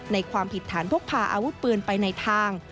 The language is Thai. ความผิดฐานพกพาอาวุธปืนไปในทาง